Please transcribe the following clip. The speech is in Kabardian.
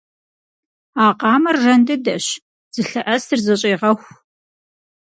А къамэр жан дыдэщ, зылъэӀэсыр зэщӀегъэху.